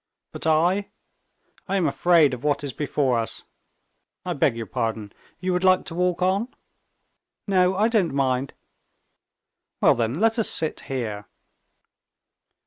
But I?... I am afraid of what is before us ... I beg your pardon, you would like to walk on?" "No, I don't mind." "Well, then, let us sit here."